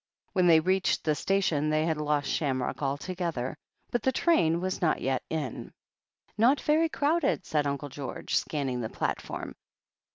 When they reached the station they had lost Sham rock altogether, but the train was not yet in. "Not very crowded," said Uncle George, scanning the platform.